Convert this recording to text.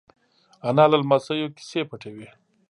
انا له لمسيو کیسې پټوي